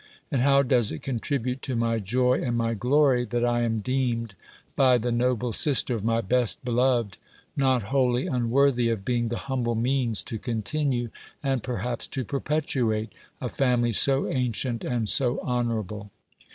And how does it contribute to my joy and my glory, that I am deemed by the noble sister of my best beloved, not wholly unworthy of being the humble means to continue, and, perhaps, to perpetuate, a family so ancient and so honourable!